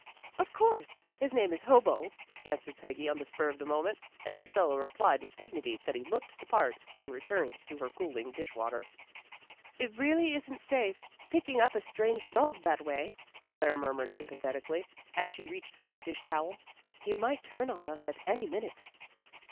"Of course. His name is Hobo," answered Peggy on the spur of the moment, and Priscilla replied with dignity that he looked the part, and returned to her cooling dish water. "It really isn't safe picking up a strange dog that way," Claire murmured, sympathetically, as she reached for a dish towel. "He might turn on us at any minute."